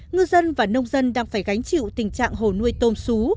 ngư dân và nông dân đang phải gánh chịu tình trạng hồ nuôi tôm sú